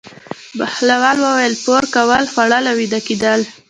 بهلول وویل: پور کول، خوړل او ویده کېدل.